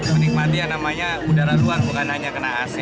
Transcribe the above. menikmati yang namanya udara luar bukan hanya kena ac